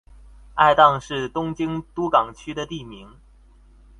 爱宕是东京都港区的地名。